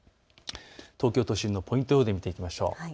東京都心のポイント予報で見ていきましょう。